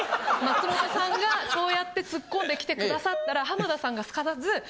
松本さんがそうやってツッコんできてくださったら浜田さんがすかさず。